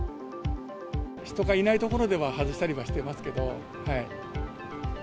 人がいない所では外したりはしてますけど。